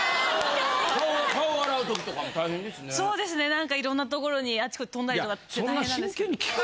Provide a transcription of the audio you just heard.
何かいろんな所にあっちこっち飛んだりとかって大変なんですけど。